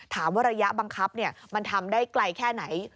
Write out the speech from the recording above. ระยะบังคับมันทำได้ไกลแค่ไหน